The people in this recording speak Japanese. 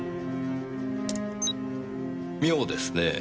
妙ですねぇ。